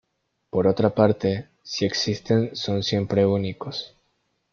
Por otra parte, si existen son siempre únicos.